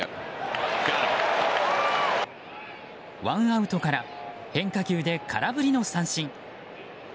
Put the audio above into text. ワンアウトから変化球で空振りの三振。